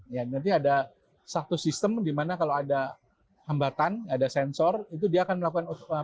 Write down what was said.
ya nanti ada satu sistem di mana kalau ada hambatan ada sensor itu dia akan melakukan